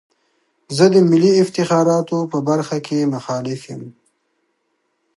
زه د ملي افتخاراتو په برخه کې مخالف یم.